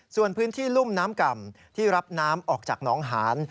ส่วนพื้นที่รุ่มน้ำก่ำที่รับน้ำออกจากน้องหาน